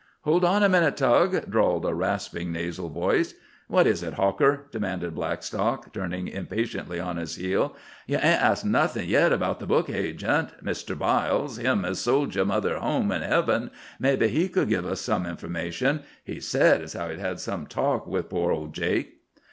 "Hold on a minute, Tug," drawled a rasping nasal voice. "What is it, Hawker?" demanded Blackstock, turning impatiently on his heel. "Ye hain't asked nothin' yet about the Book Agent, Mister Byles, him as sold ye 'Mother, Home, an' Heaven.' Maybe he could give us some information. He said as how he'd had some talk with poor old Jake."